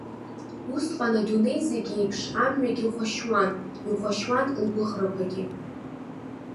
Усҟан адунеи зегь еиԥш амҩагьы хәашьуан, ихәашьуан лгәыӷрақәагьы.